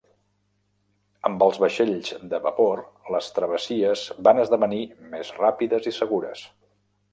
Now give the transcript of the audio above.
Amb els vaixells de vapor, les travessies van esdevenir més ràpides i segures.